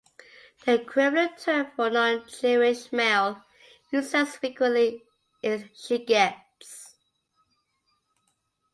The equivalent term for a non-Jewish male, used less frequently, is shegetz.